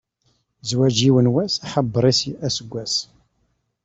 Zzwaǧ yiwen wass, aḥebbeṛ-is aseggas.